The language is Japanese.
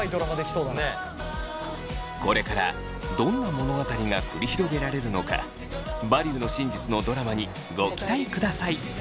これからどんな物語が繰り広げられるのか「バリューの真実」のドラマにご期待ください。